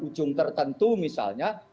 ujung tertentu misalnya